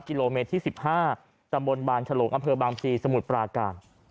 กิโลเมตรที่๑๕ตำบลบานฉลงอำเภอบางพลีสมุทรปราการ